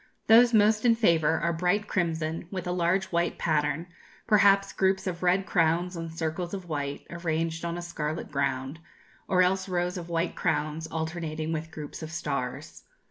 Those most in favour are bright crimson, with a large white pattern, perhaps groups of red crowns on circles of white, arranged on a scarlet ground, or else rows of white crowns alternating with groups of stars.